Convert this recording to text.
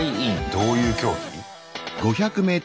どういう競技？